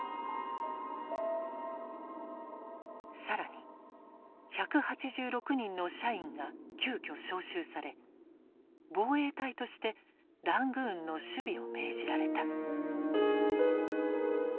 更に１８６人の社員が急きょ召集され防衛隊としてラングーンの守備を命じられた。